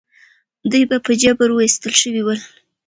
دوی په جبر ویستل شوي ول.